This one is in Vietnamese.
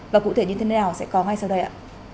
và cụ thể như thế nào sẽ có ngay sau đây ạ